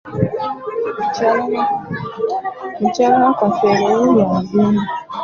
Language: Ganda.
Mukyala wa Kafeero wuuyo agenda.